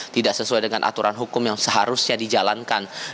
tidak sesuai dengan aturan hukum yang seharusnya dijalankan